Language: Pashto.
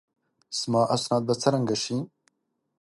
زما اسناد به څرنګه شي؟